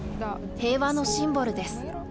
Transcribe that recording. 平和のシンボルです。